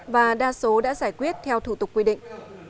và đa số đã giải quyết theo thủ tục quy định